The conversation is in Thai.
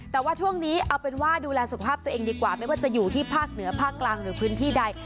แต่ว่าช่วงนี้เอาเป็นว่าดูแลสุขภาพตัวเองดีกว่าไม่ว่าจะอยู่ที่ภาคเหนือภาคกลางหรือพื้นที่ใด